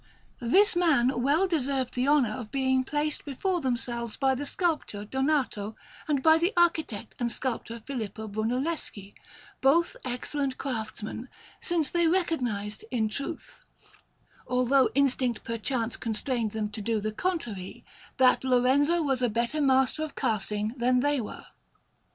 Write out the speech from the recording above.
This man well deserved the honour of being placed before themselves by the sculptor Donato and by the architect and sculptor Filippo Brunelleschi, both excellent craftsmen, since they recognized, in truth, although instinct perchance constrained them to do the contrary, that Lorenzo was a better master of casting than they were.